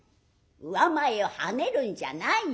上前をはねるんじゃないよ。